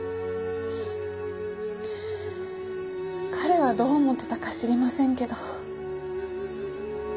彼はどう思ってたか知りませんけど。